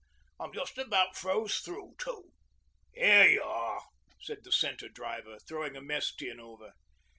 I'm just about froze through too.' 'Here y'are,' said the Centre Driver, throwing a mess tin over.